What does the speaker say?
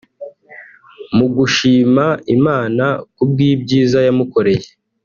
Mu gushima Imana kubw’ibyiza yamukoreye